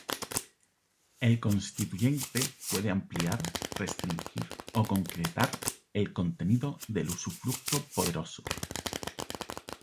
El constituyente puede ampliar, restringir o concretar el contenido del usufructo poderoso.